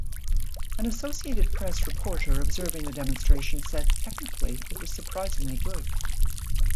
An Associated Press reporter observing the demonstration said, Technically, it was surprisingly good.